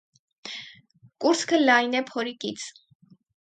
Կուրծքը լայն է փորիկից։